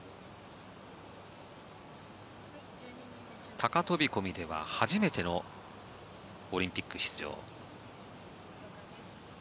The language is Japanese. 高飛込では初めてのオリンピック出場。